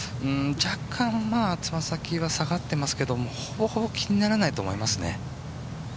若干、爪先は下がってますけどほぼほぼ、気にならないと思いますね。